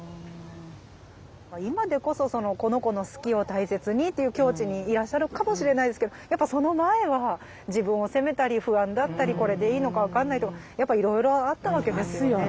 今でこそこの子の好きを大切にっていう境地にいらっしゃるかもしれないですけどやっぱその前は自分を責めたり不安だったりこれでいいのか分かんないとかやっぱいろいろあったわけですよね。